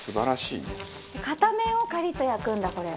片面をカリッと焼くんだこれ。